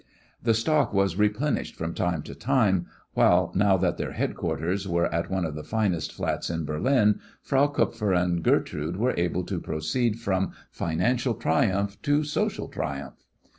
The stock was replenished from time to time, while now that their headquarters were at one of the finest flats in Berlin, Frau Kupfer and Gertrude were able to proceed from financial triumph to social triumph.